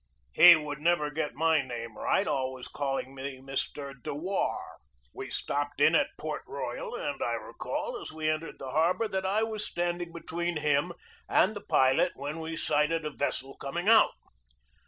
He would never get my name right, always calling me "Mr. Dewar." We stopped in at Port Royal, and I recall, as we entered the harbor, that I was standing between him and the pilot when we sighted a vessel coming out.